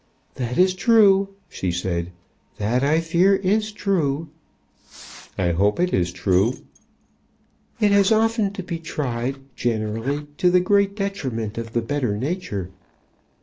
"That is true," she said. "That I fear is true." "I hope it is true." "It has often to be tried, generally to the great detriment of the better nature."